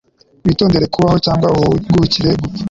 Witondere kubaho cyangwa uhugukire gupfa.”